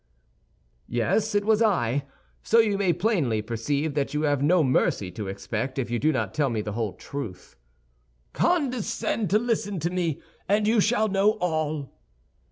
"Yes, it was I; so you may plainly perceive that you have no mercy to expect if you do not tell me the whole truth." "Condescend to listen to me, and you shall know all."